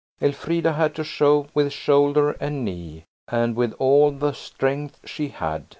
Elfrida had to shove with shoulder and knee, and with all the strength she had.